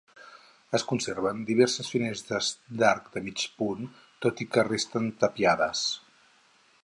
Es conserven diverses finestres d'arc de mig punt, tot i que resten tapiades.